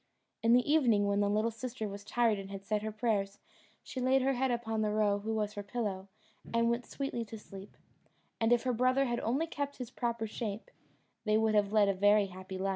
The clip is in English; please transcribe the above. In the evening, when the little sister was tired and had said her prayers, she laid her head upon the roe, who was her pillow, and went sweetly to sleep; and if her brother had only kept his proper shape, they would have led a very happy life.